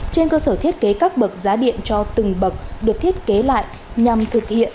trên cơ sở thiết kế các bậc giá điện cho từng bậc được thiết kế lại nhằm thực hiện